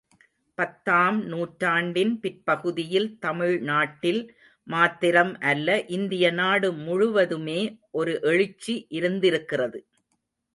பத்தாம் நூற்றாண்டின் பிற்பகுதியில் தமிழ்நாட்டில் மாத்திரம் அல்ல இந்திய நாடு முழுவதுமே ஒரு எழுச்சி இருந்திருக்கிறது.